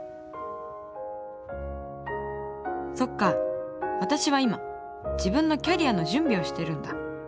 そっか私は今自分のキャリアの準備をしてるんだ。